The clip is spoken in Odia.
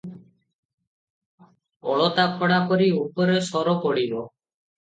ଅଳତା ଫଡ଼ା ପରି ଉପରେ ସର ପଡ଼ିବ ।